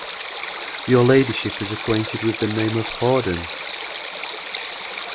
Your ladyship is acquainted with the name of Hawdon?